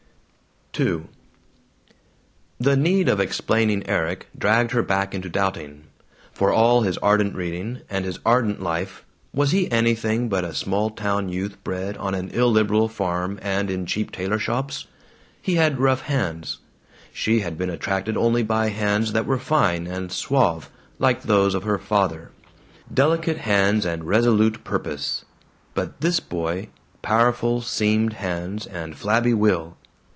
II The need of explaining Erik dragged her back into doubting. For all his ardent reading, and his ardent life, was he anything but a small town youth bred on an illiberal farm and in cheap tailor shops? He had rough hands. She had been attracted only by hands that were fine and suave, like those of her father. Delicate hands and resolute purpose. But this boy powerful seamed hands and flabby will.